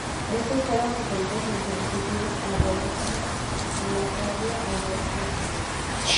Estos fueron referidos en principio a "Gorgosaurus" y más tarde a "Albertosaurus".